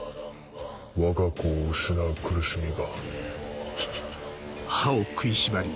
わが子を失う苦しみが。